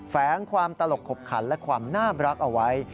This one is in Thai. แฝงความตลกขบขันและความน่ารักเอาไว้